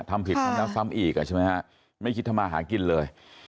ทำน้ำฟัมอีกอ่ะใช่ไหมฮะไม่คิดทำอาหารกินเลย